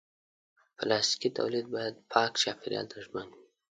پلاستيکي تولید باید پاک چاپېریال ته ژمن وي.